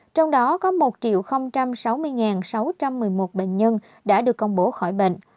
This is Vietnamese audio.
trong đó có một sáu mươi sáu trăm một mươi một bệnh nhân đã được công bố khỏi bệnh